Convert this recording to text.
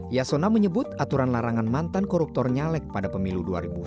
yasona menyebut aturan larangan mantan koruptor nyalek pada pemilu dua ribu sembilan belas